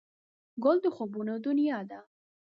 ګل د خوبونو دنیا ده.